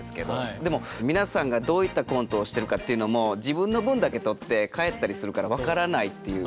でも皆さんがどういったコントをしてるかっていうのも自分の分だけ撮って帰ったりするから分からないっていう。